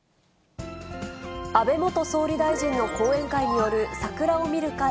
安倍元総理大臣の後援会による桜を見る会